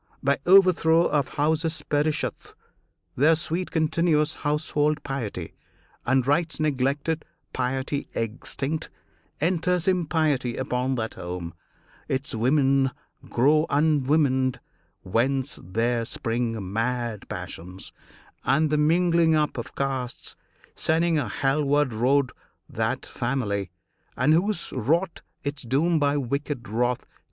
By overthrow of houses perisheth Their sweet continuous household piety, And rites neglected, piety extinct Enters impiety upon that home; Its women grow unwomaned, whence there spring Mad passions, and the mingling up of castes, Sending a Hell ward road that family, And whoso wrought its doom by wicked wrath.